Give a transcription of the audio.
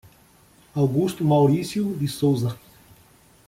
Augusto Mauricio de Souza